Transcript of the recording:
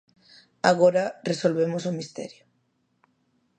Agora resolvemos o misterio.